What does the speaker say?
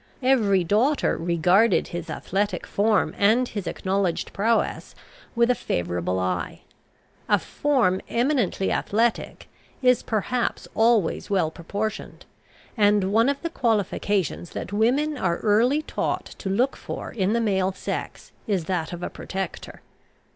Every daughter regarded his athletic form and his acknowledged prowess with a favourable eye. A form eminently athletic is, perhaps, always well proportioned; and one of the qualifications that women are early taught to look for in the male sex, is that of a protector.